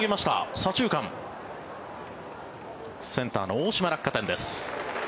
左中間、センターの大島落下点です。